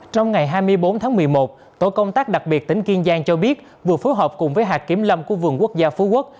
trong ngày hai mươi bốn tháng một mươi một tổ công tác đặc biệt tỉnh kiên giang cho biết vừa phối hợp cùng với hạt kiểm lâm của vườn quốc gia phú quốc